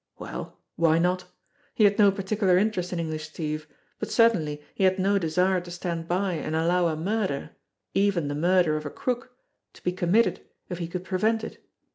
Well, why not? He had no particular interest in English Steve, but certainly he had no desire to stand by and allow a murder, even the murder of a crook, to be committed if he could prevent it.